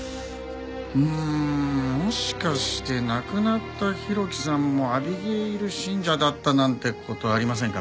うーんもしかして亡くなった浩喜さんもアビゲイル信者だったなんて事ありませんかね？